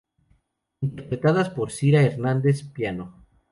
Interpretadas por Sira Hernandez, piano.